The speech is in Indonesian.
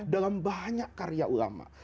dalam banyak karya ulama